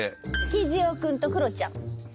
キジオ君とクロちゃん。